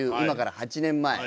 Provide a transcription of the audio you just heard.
今から８年前。